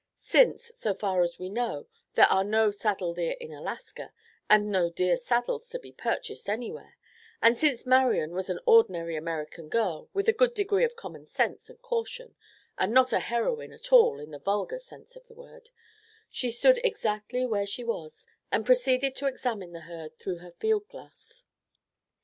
Since, so far as we know, there are no saddle deer in Alaska, and no deer saddles to be purchased anywhere; and since Marian was an ordinary American girl, with a good degree of common sense and caution, and not a heroine at all in the vulgar sense of the word, she stood exactly where she was and proceeded to examine the herd through her field glass.